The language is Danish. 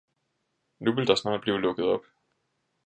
- Nu vil der snart blive lukket op!